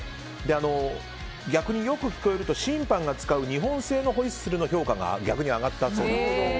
逆によく聞こえると審判が使う日本製のホイッスルの評価が逆に上がったそうです。